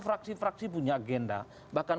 fraksi fraksi punya agenda bahkan